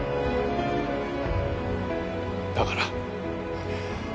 だから。